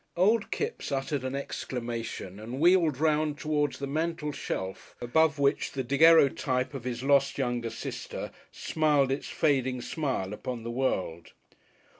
Old Kipps uttered an exclamation and wheeled round towards the mantel shelf above which the daguerreotype of his lost younger sister smiled its fading smile upon the world.